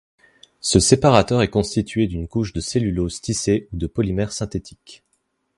Ce séparateur est constitué d'une couche de cellulose tissée ou de polymère synthétique.